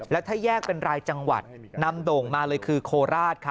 แล้วถ้าแยกเป็นรายจังหวัดนำโด่งมาเลยคือโคราช